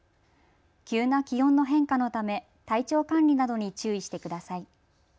急な気温の変化のため体調管理などに注意してください。